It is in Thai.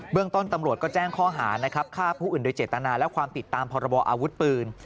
เรื่องต้นตำรวจก็แจ้งข้อหานะครับฆ่าผู้อื่นโดยเจตนาและความผิดตามพรบออาวุธปืน